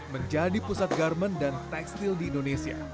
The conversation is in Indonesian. menjadi pusat garmen dan tekstil di indonesia